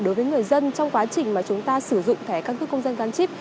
đối với người dân trong quá trình mà chúng ta sử dụng thẻ căn cước công dân gắn chip